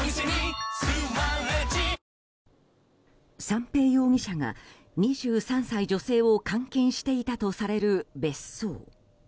三瓶容疑者が２３歳女性を監禁していたとされる別荘。